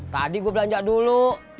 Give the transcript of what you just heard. tadi gue belanja dulu